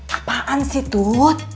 apaan sih tut